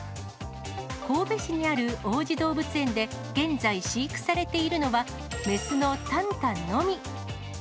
神戸市にある王子動物園で現在飼育されているのは、雌の旦旦のみ。